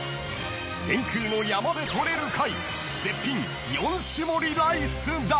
［天空の山で採れる貝絶品４種盛りライスだ］